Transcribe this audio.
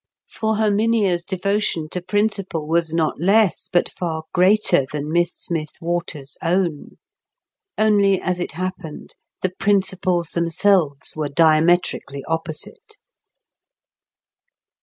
For Herminia's devotion to principle was not less but far greater than Miss Smith Waters's own; only, as it happened, the principles themselves were diametrically opposite.